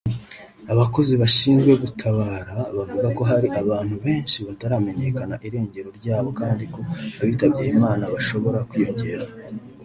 Abakozi bashinzwe gutabara bavuga ko hari abantu benshi bataramenyekana irengero ryabo kandi ko abitabye Imana bashobora kwiyongera